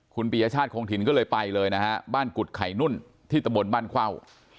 คุณปียชาติคงถิ่นก็เลยไปเลยนะฮะบ้านกุฎไข่นุ่นที่ตะบนบ้านเข้า